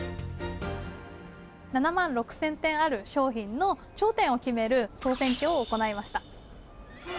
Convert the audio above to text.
７万６０００点ある商品の頂点を決める総選挙を行いました。